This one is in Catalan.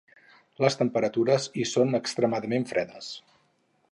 Les temperatures hi són extremadament fredes.